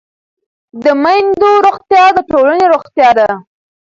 د میندو روغتیا د ټولنې روغتیا ده.